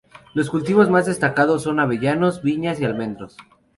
Los cultivos más destacados son avellanos, viñas y almendros.